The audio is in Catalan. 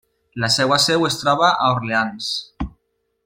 La seva seu es troba a Orleans.